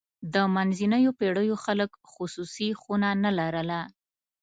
د منځنیو پېړیو خلک خصوصي خونه نه لرله.